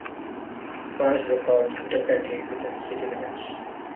Fires broke out intermittently within city limits.